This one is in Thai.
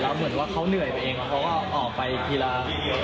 แล้วเหมือนว่าเขาเหนื่อยไปเองเขาก็ออกไปทีละ